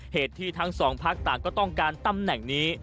เหตุที่ทั้งสองพักต่างก็ต้องการตำแหน่งนี้